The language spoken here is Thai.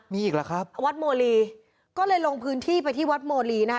มีอีกแล้วครับวัดโมลีก็เลยลงพื้นที่ไปที่วัดโมลีนะคะ